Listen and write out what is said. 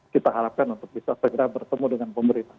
kita harapkan untuk bisa segera bertemu dengan pemerintah